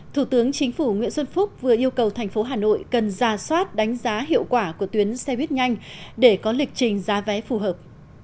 thủ tướng chính phủ nguyễn xuân phúc vừa yêu cầu thành phố hà nội cần ra soát đánh giá hiệu quả của tuyến xe buýt nhanh để có lịch trình giá vé phù hợp